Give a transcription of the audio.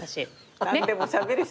何でもしゃべる人だな。